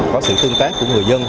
có sự tương tác của người dân